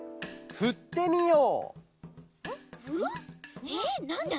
「ふってみよう！